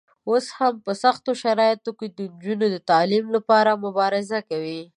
اوس هم په سختو شرایطو کې د نجونو د تعلیم لپاره مبارزه کوي.